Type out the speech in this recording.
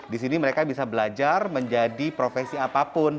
di sini mereka bisa belajar menjadi profesi apapun